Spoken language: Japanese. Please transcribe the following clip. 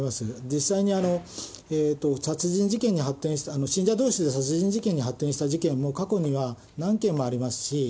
実際に、殺人事件に発展した、信者どうしで殺人事件に発展した事件も、過去には何件もありますし。